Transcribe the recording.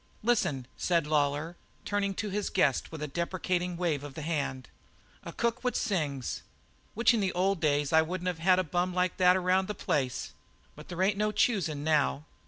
"Listen!" said Lawlor, turning to his guest with a deprecating wave of the hand. "A cook what sings! Which in the old days I wouldn't have had a bum like that around my place, but there ain't no choosin' now."